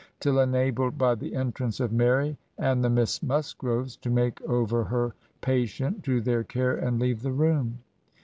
. till enabled by the entrance of Mary and the Miss Musgroves to make over her patient to their care and leave the room.